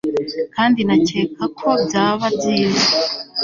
Kandi nakeka ko byaba byiza